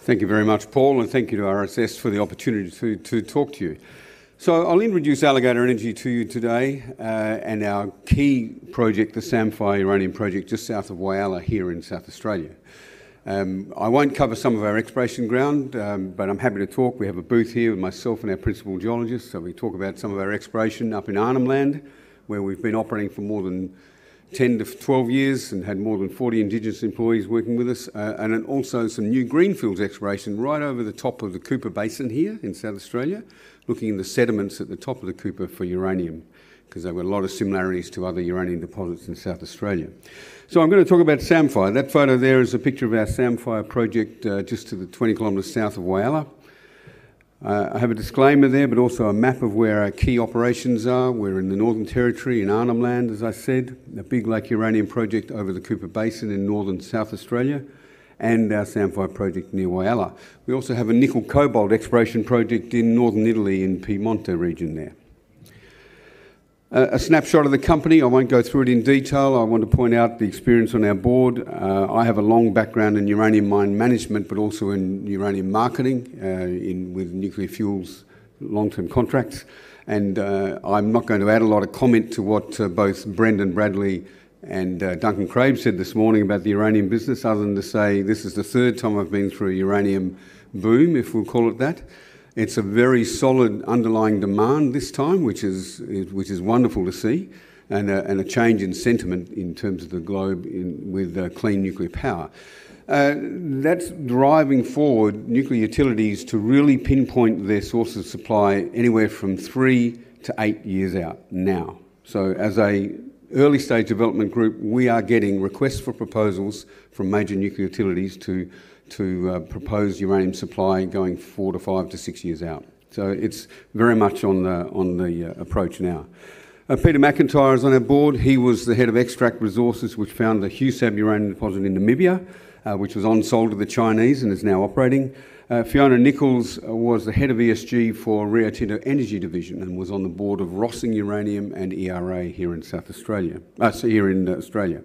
Thank you very much, Paul, and thank you to RRS for the opportunity to talk to you. So I'll introduce Alligator Energy to you today and our key project, the Samphire Uranium Project just south of Whyalla here in South Australia. I won't cover some of our exploration ground, but I'm happy to talk. We have a booth here with myself and our principal geologist, so we talk about some of our exploration up in Arnhem Land, where we've been operating for more than 10-12 years and had more than 40 Indigenous employees working with us, and also some new greenfields exploration right over the top of the Cooper Basin here in South Australia, looking in the sediments at the top of the Cooper for uranium, because there were a lot of similarities to other uranium deposits in South Australia. So I'm going to talk about Samphire. That photo there is a picture of our Samphire project just 20 km south of Whyalla. I have a disclaimer there, but also a map of where our key operations are. We're in the Northern Territory, in Arnhem Land, as I said, a Big Lake Uranium Project in the Cooper Basin in northern South Australia, and our Samphire project near Whyalla. We also have a nickel cobalt exploration project in northern Italy in the Piedmont region there. A snapshot of the company. I won't go through it in detail. I want to point out the experience on our board. I have a long background in uranium mine management, but also in uranium marketing with nuclear fuels long-term contracts, and I'm not going to add a lot of comment to what both Brendan Bradley and Duncan Craib said this morning about the uranium business, other than to say this is the third time I've been through a uranium boom, if we'll call it that. It's a very solid underlying demand this time, which is wonderful to see, and a change in sentiment in terms of the globe with clean nuclear power. That's driving forward nuclear utilities to really pinpoint their source of supply anywhere from three to eight years out now. So as an early-stage development group, we are getting requests for proposals from major nuclear utilities to propose uranium supply going four to five to six years out. So it's very much on the approach now. Peter McIntyre is on our board. He was the head of Extract Resources, which found the Husab uranium deposit in Namibia, which was on-sold to the Chinese and is now operating. Fiona Nicholls was the head of ESG for Rio Tinto Energy Division and was on the board of Rössing Uranium and ERA here in South Australia. Sorry, here in Australia.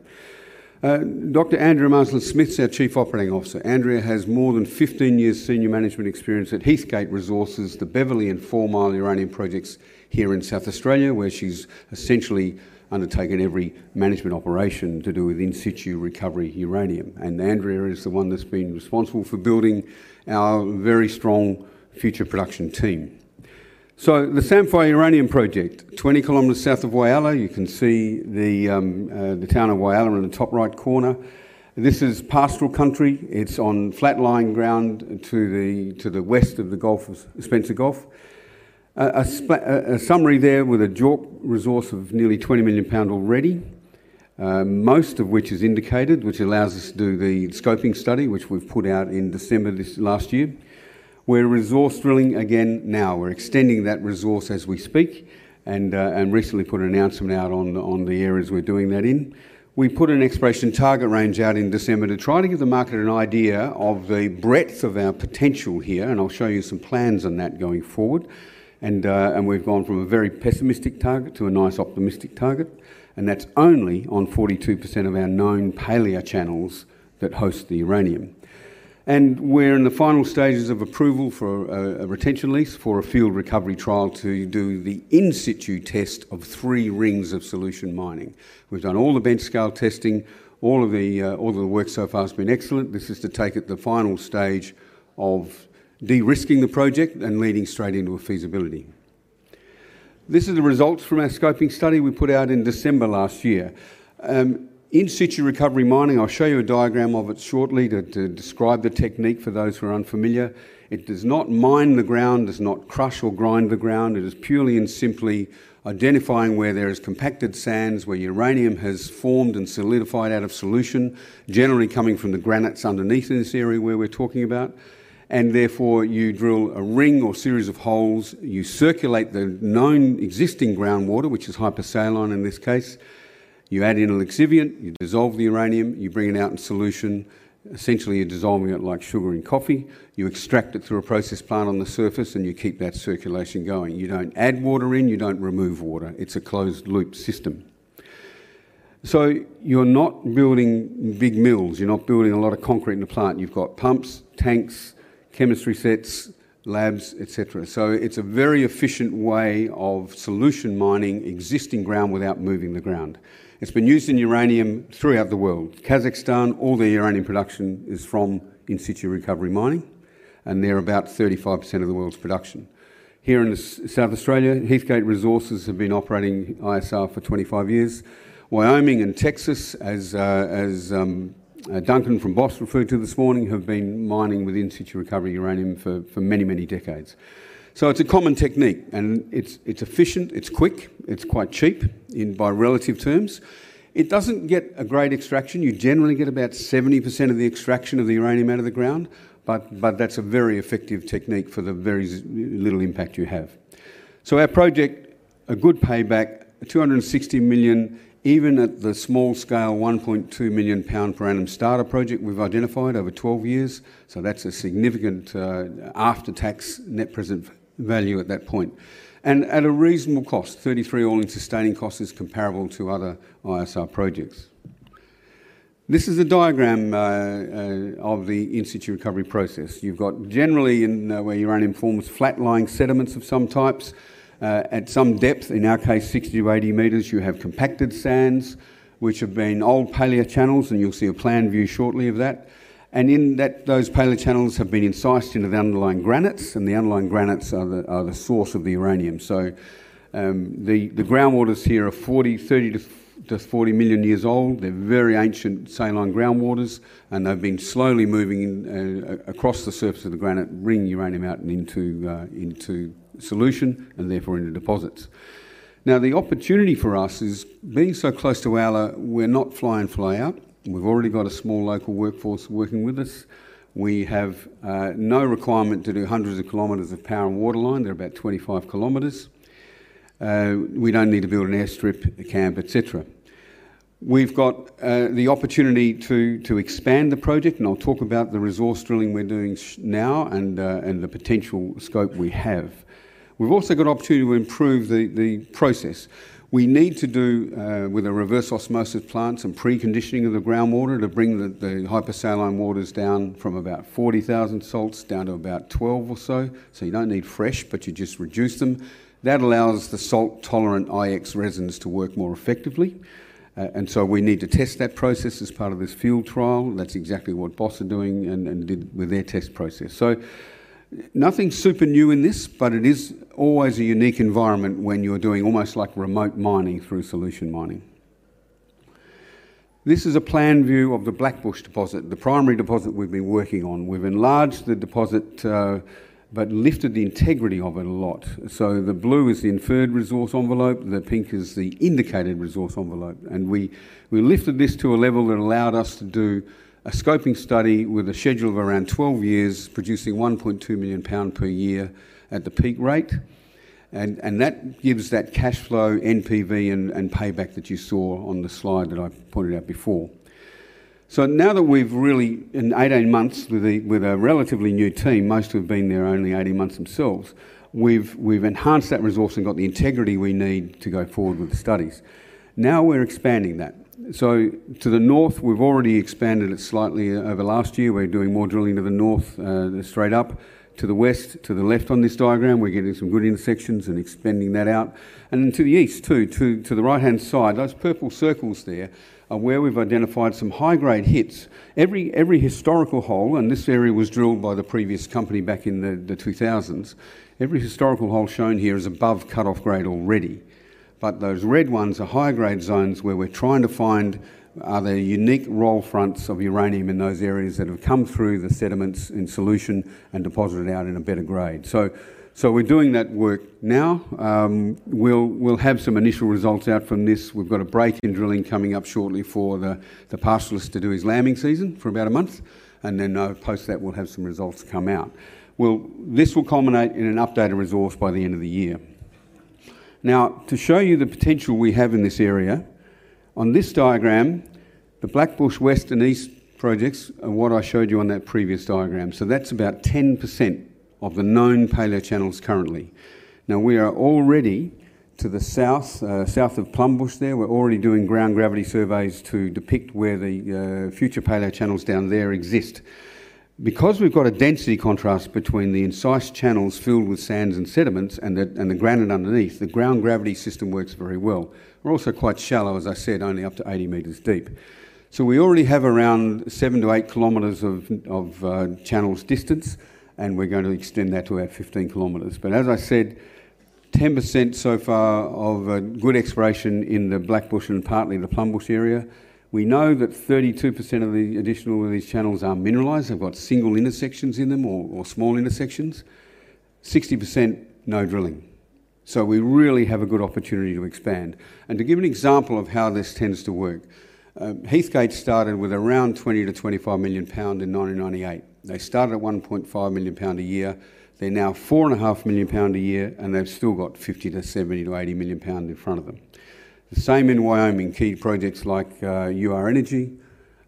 Dr. Andrea Marsland-Smith is our chief operating officer. Andrea has more than 15 years of senior management experience at Heathgate Resources, the Beverley and Four Mile uranium projects here in South Australia, where she's essentially undertaken every management operation to do with in-situ recovery uranium. And Andrea is the one that's been responsible for building our very strong future production team. So the Samphire Uranium Project, 20 km south of Whyalla, you can see the town of Whyalla in the top right corner. This is pastoral country. It's on flat-lying ground to the west of Spencer Gulf. A summary there with a JORC resource of nearly 20 million pound already, most of which is indicated, which allows us to do the scoping study, which we've put out in December last year. We're resource drilling again now. We're extending that resource as we speak, and recently put an announcement out on the areas we're doing that in. We put an exploration target range out in December to try to give the market an idea of the breadth of our potential here, and I'll show you some plans on that going forward. We've gone from a very pessimistic target to a nice optimistic target, and that's only on 42% of our known palaeochannels that host the uranium. We're in the final stages of approval for a retention lease for a field recovery trial to do the in-situ test of three rings of solution mining. We've done all the bench-scale testing. All of the work so far has been excellent. This is to take it to the final stage of de-risking the project and leading straight into a feasibility. This is the results from our scoping study we put out in December last year. In-situ recovery mining, I'll show you a diagram of it shortly to describe the technique for those who are unfamiliar. It does not mine the ground, does not crush or grind the ground. It is purely and simply identifying where there are compacted sands, where uranium has formed and solidified out of solution, generally coming from the granites underneath in this area where we're talking about. Therefore, you drill a ring or series of holes. You circulate the known existing groundwater, which is hypersaline in this case. You add in a lixiviant. You dissolve the uranium. You bring it out in solution. Essentially, you're dissolving it like sugar in coffee. You extract it through a process plant on the surface and you keep that circulation going. You don't add water in. You don't remove water. It's a closed-loop system. You're not building big mills. You're not building a lot of concrete in the plant. You've got pumps, tanks, chemistry sets, labs, etc. It's a very efficient way of solution mining existing ground without moving the ground. It's been used in uranium throughout the world. Kazakhstan, all their uranium production is from in-situ recovery mining, and they're about 35% of the world's production. Here in South Australia, Heathgate Resources have been operating ISR for 25 years. Wyoming and Texas, as Duncan from Boss referred to this morning, have been mining with in-situ recovery uranium for many, many decades. So it's a common technique, and it's efficient. It's quick. It's quite cheap by relative terms. It doesn't get a great extraction. You generally get about 70% of the extraction of the uranium out of the ground, but that's a very effective technique for the very little impact you have. So our project, a good payback, 260 million, even at the small-scale 1.2 million pound per annum starter project we've identified over 12 years. So that's a significant after-tax net present value at that point, and at a reasonable cost. 33 all in sustaining cost is comparable to other ISR projects. This is a diagram of the in-situ recovery process. You've got, generally where uranium forms, flat-lying sediments of some types. At some depth, in our case 60 m-80 m, you have compacted sands, which have been old palaeochannels, and you'll see a plan view shortly of that. Those palaeochannels have been incised into the underlying granites, and the underlying granites are the source of the uranium. So the groundwaters here are 30 million-40 million years old. They're very ancient saline groundwaters, and they've been slowly moving across the surface of the granite, bringing uranium out and into solution, and therefore into deposits. Now, the opportunity for us is, being so close to Whyalla, we're not flying and flying out. We've already got a small local workforce working with us. We have no requirement to do hundreds of kilometers of power and water line. They're about 25 km. We don't need to build an airstrip, a camp, etc. We've got the opportunity to expand the project, and I'll talk about the resource drilling we're doing now and the potential scope we have. We've also got opportunity to improve the process. We need to do, with a reverse osmosis plant and preconditioning of the groundwater, to bring the hypersaline waters down from about 40,000 salts down to about 12 or so. So you don't need fresh, but you just reduce them. That allows the salt-tolerant IX resins to work more effectively. And so we need to test that process as part of this field trial. That's exactly what Boss are doing and did with their test process. So nothing super new in this, but it is always a unique environment when you're doing almost like remote mining through solution mining. This is a planned view of the Blackbush Deposit, the primary deposit we've been working on. We've enlarged the deposit but lifted the integrity of it a lot. So the blue is the inferred resource envelope. The pink is the indicated resource envelope. And we lifted this to a level that allowed us to do a scoping study with a schedule of around 12 years, producing 1.2 million pounds per year at the peak rate. And that gives that cash flow, NPV, and payback that you saw on the slide that I pointed out before. So now that we've really, in 18 months, with a relatively new team, most who have been there only 18 months themselves, we've enhanced that resource and got the integrity we need to go forward with the studies. Now we're expanding that. So to the north, we've already expanded it slightly over last year. We're doing more drilling to the north, straight up. To the west, to the left on this diagram, we're getting some good intersections and expanding that out. And to the east, too. To the right-hand side, those purple circles there are where we've identified some high-grade hits. Every historical hole, and this area was drilled by the previous company back in the 2000s, every historical hole shown here is above cut-off grade already. But those red ones are high-grade zones where we're trying to find other unique roll fronts of uranium in those areas that have come through the sediments in solution and deposited out in a better grade. So we're doing that work now. We'll have some initial results out from this. We've got a break in drilling coming up shortly for the pastoralist to do his lambing season for about a month, and then post that we'll have some results come out. Well, this will culminate in an updated resource by the end of the year. Now, to show you the potential we have in this area, on this diagram, the Blackbush West and East projects are what I showed you on that previous diagram. So that's about 10% of the known palaeochannels currently. Now, we are already to the south of Plumbush there. We're already doing ground gravity surveys to depict where the future palaeochannels down there exist. Because we've got a density contrast between the incised channels filled with sands and sediments and the granite underneath, the ground gravity system works very well. They're also quite shallow, as I said, only up to 80 m deep. So we already have around 7 km-8 km of channels distance, and we're going to extend that to about 15 km. But as I said, 10% so far of good exploration in the Blackbush and partly the Plumbush area. We know that 32% of the additional of these channels are mineralised. They've got single intersections in them or small intersections. 60%, no drilling. So we really have a good opportunity to expand. And to give an example of how this tends to work, Heathgate started with around 20 million-25 million pound in 1998. They started at 1.5 million pound a year. They're now 4.5 million pound a year, and they've still got 50 million-70 million-GBP 80 million in front of them. The same in Wyoming, key projects like UR Energy,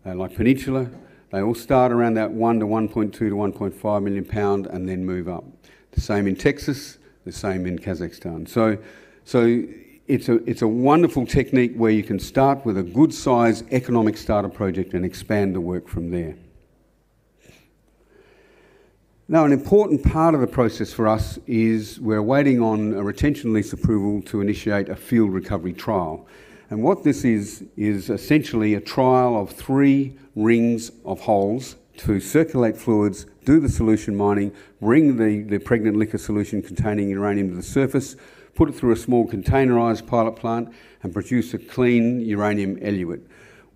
like Peninsula, they all start around that 1 million-1.2 million-GBP 1.5 million and then move up. The same in Texas. The same in Kazakhstan. So it's a wonderful technique where you can start with a good-sized economic starter project and expand the work from there. Now, an important part of the process for us is we're waiting on a Retention Lease approval to initiate a Field Recovery Trial. And what this is, is essentially a trial of three rings of holes to circulate fluids, do the solution mining, bring the pregnant liquor solution containing uranium to the surface, put it through a small containerized pilot plant, and produce a clean uranium eluate.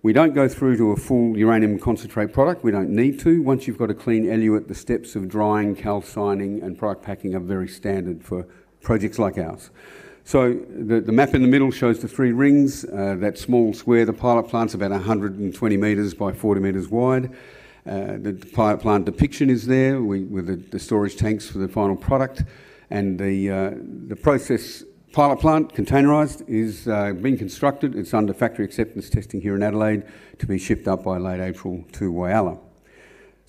We don't go through to a full uranium concentrate product. We don't need to. Once you've got a clean eluate, the steps of drying, calcining, and product packing are very standard for projects like ours. So the map in the middle shows the three rings. That small square, the pilot plant, is about 120 m by 40 m wide. The pilot plant depiction is there with the storage tanks for the final product. The process pilot plant, containerized, is being constructed. It's under factory acceptance testing here in Adelaide to be shipped up by late April to Whyalla.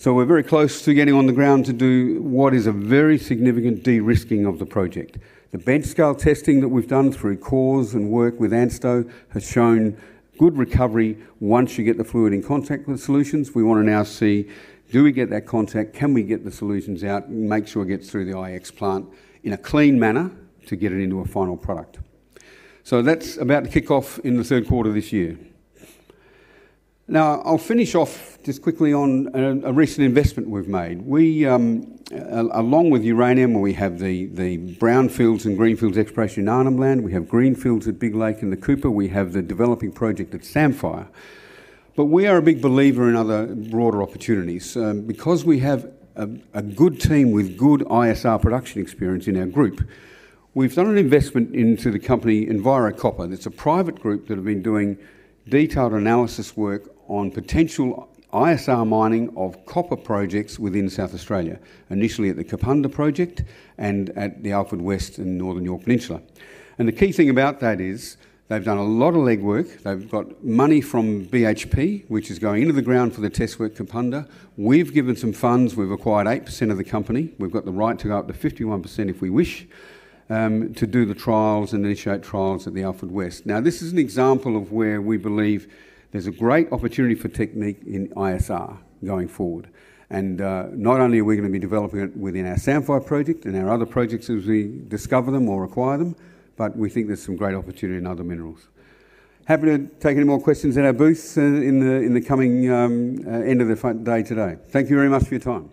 We're very close to getting on the ground to do what is a very significant de-risking of the project. The bench-scale testing that we've done through CORES and work with ANSTO has shown good recovery once you get the fluid in contact with solutions. We want to now see, do we get that contact? Can we get the solutions out? Make sure it gets through the IX plant in a clean manner to get it into a final product. That's about to kick off in the third quarter this year. Now, I'll finish off just quickly on a recent investment we've made. Along with uranium, we have the brownfields and greenfields exploration in Arnhem Land. We have greenfields at Big Lake and the Cooper. We have the developing project at Samphire. But we are a big believer in other broader opportunities. Because we have a good team with good ISR production experience in our group, we've done an investment into the company EnviroCopper. It's a private group that have been doing detailed analysis work on potential ISR mining of copper projects within South Australia, initially at the Kapunda project and at the Alford West and Northern Yorke Peninsula. And the key thing about that is they've done a lot of legwork. They've got money from BHP, which is going into the ground for the test work, Kapunda. We've given some funds. We've acquired 8% of the company. We've got the right to go up to 51% if we wish to do the trials and initiate trials at the Alford West. Now, this is an example of where we believe there's a great opportunity for technique in ISR going forward. Not only are we going to be developing it within our Samphire project and our other projects as we discover them or acquire them, but we think there's some great opportunity in other minerals. Happy to take any more questions at our booth in the coming end of the day today. Thank you very much for your time.